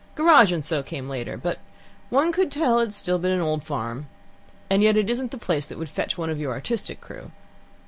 Garage and so on came later. But one could still tell it's been an old farm. And yet it isn't the place that would fetch one of your artistic crew."